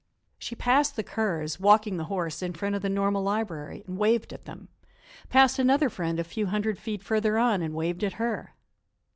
She passed the Kerrs, walking the horse, in front of the Normal Library, and waved at them; passed another friend a few hundred feet further on, and waved at her.